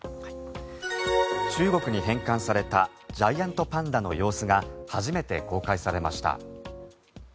中国に返還されたジャイアントパンダの様子が初めて公開されました。